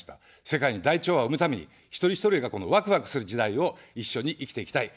世界に大調和を生むために、一人一人が、このわくわくする時代を一緒に生きていきたい。